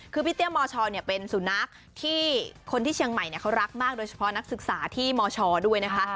คือพี่เตี้ยมชเป็นสุนัขที่คนที่เชียงใหม่เขารักมากโดยเฉพาะนักศึกษาที่มชด้วยนะคะ